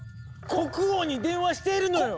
国王に電話しているのよ！